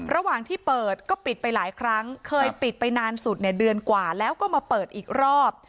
ระหว่างที่เปิดก็ปิดไปหลายครั้งเคยปิดไปนานสุดเนี่ยเดือนกว่าแล้วก็มาเปิดอีกรอบ